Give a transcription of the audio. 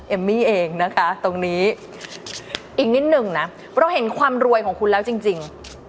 เอมมี่เองนะคะตรงนี้อีกนิดนึงนะเราเห็นความรวยของคุณแล้วจริง